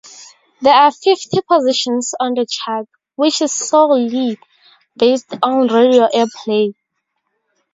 There are fifty positions on the chart, which is solely based on radio airplay.